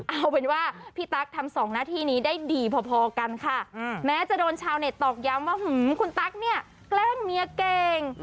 เอาเป็นว่าพี่ตั๊กทำสองหน้าที่นี้ได้ดีพอกันค่ะแม้จะโดนชาวเน็ตตอกย้ำว่าคุณตั๊กเนี่ยแกล้งเมียเก่ง